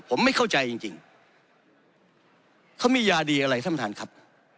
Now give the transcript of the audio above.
ผมไม่เข้าใจจริงเขามียาดีอะไรท่านประธานครับ